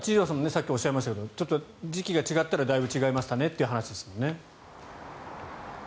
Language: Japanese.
さっきおっしゃいましたが時期が違ったらだいぶ違いましたねという話ですね。